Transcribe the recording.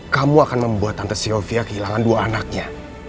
kamu akan membuat tante sylvia kehilangan dua anaknya